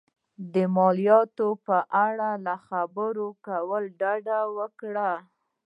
د مالیاتو په اړه له خبرو کولو یې ډډه وکړه.